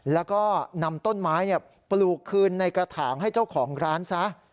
แล้วก็นำต้นไม้ปลูกคืนในกระถางให้เจ้าของร้านซะ